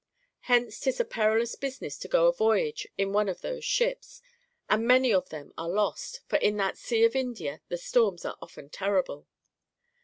Hence 'tis a perilous business to go a voyage in one of those ships, and many of them are lost, for in that Sea of India the storms are often terrible.